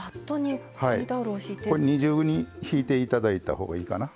これ二重にひいていただいた方がいいかな。